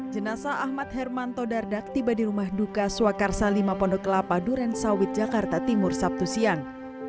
jenasa ahmad hermanto dardak tiba di rumah duka swakarsa lima pondok kelapa duren sawit jakarta timur sabtu siang